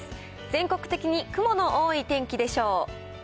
全国的に雲の多い天気でしょう。